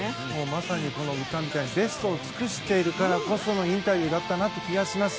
まさにこの歌みたいにベストを尽くしているからこそのインタビューだったなという気がします。